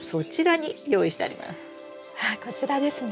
あっこちらですね。